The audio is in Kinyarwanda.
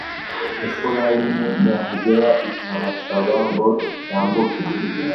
Efurayimu yahagera ikabasaba ngo yambuke